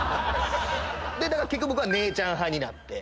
結局僕は姉ちゃん派になって。